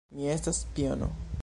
Mi estas spiono